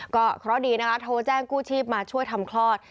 เพราะดีนะคะโทรแจ้งกู้ชีพมาช่วยทำคลอด